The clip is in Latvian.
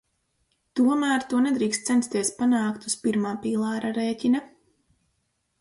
Tomēr to nedrīkst censties panākt uz pirmā pīlāra rēķina.